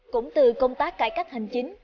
cũng từ công tác cải cách hành chính